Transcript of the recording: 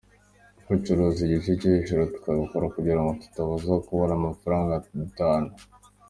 Kwicuruza igice cyo hejuru tubikora kugira ngo tutaza kubura amafaranga dutahana.